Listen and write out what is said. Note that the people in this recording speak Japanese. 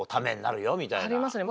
ありますね